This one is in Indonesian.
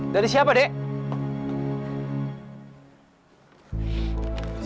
dari siapa dek